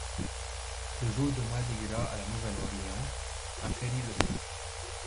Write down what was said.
Le jour de mardi gras à La Nouvelle-Orléans, un ferry le Sen.